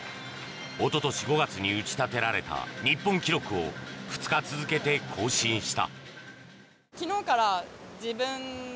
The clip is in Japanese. おととし５月に打ち立てられた日本記録を２日続けて更新した。